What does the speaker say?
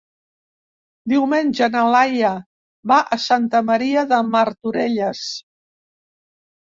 Diumenge na Laia va a Santa Maria de Martorelles.